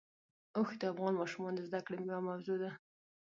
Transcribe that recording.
اوښ د افغان ماشومانو د زده کړې یوه موضوع ده.